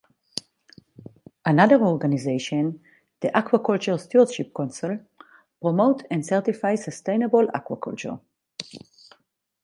Another organisation, the Aquaculture Stewardship Council, promote and certifies sustainable aquaculture.